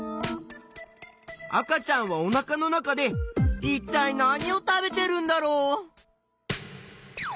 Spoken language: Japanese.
赤ちゃんはおなかの中でいったい何を食べてるんだろう？